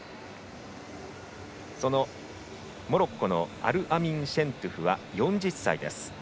そのモロッコのアルアミン・シェントゥフは４０歳です。